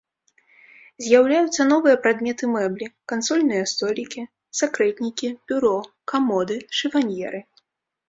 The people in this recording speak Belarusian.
З'яўляюцца новыя прадметы мэблі, кансольныя столікі, сакрэтнікі, бюро, камоды, шыфаньеры.